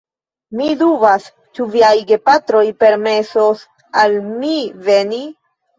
Mi dubas, ĉu viaj gepatroj permesos al mi veni.